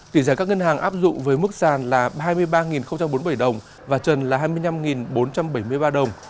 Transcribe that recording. tỷ giá các ngân hàng áp dụng với mức sàn là hai mươi ba bốn mươi bảy đồng và trần là hai mươi năm bốn trăm bảy mươi ba đồng